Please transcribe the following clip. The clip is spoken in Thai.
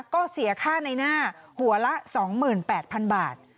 ก็เสียค่าในหน้าหัวละ๒๘๐๐๐บาท